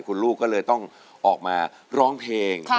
คุณลูกก็เลยต้องออกมาร้องเพลง